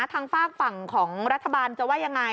ทางฝากฝั่งของรัฐบาลจะว่ายังไง